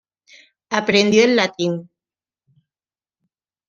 Aprendió el latín.